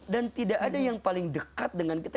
tidak ada yang paling dekat dengan kita